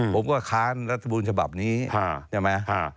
ผมก็ค้านรัฐบุญฉบับนี้ใช่ไหม